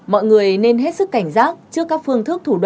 mọi người nên hết sức cảnh giác trước các phương thức thủ đoạn